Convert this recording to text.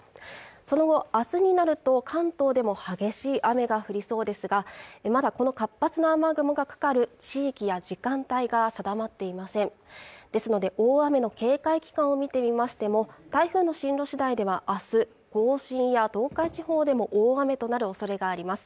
その後明日になると関東でも激しい雨が降りそうですがまだこの活発な雨雲がかかる地域や時間帯が定まっていませんですので大雨の警戒期間を見てみましても台風の進路次第では明日、甲信や東海地方でも大雨となるおそれがあります